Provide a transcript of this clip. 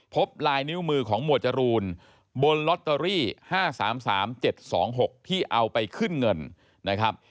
พบลายนิ้วมือของหมวดจรูนบนลอตเตอรี่๕๓๓๗๒๖ที่เอาไปขึ้นเงินนะครับ